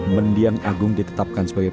mendiang agung ditetapkan sebagai